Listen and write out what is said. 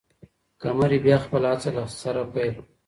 قمري بیا خپله هڅه له سره پیل کړه.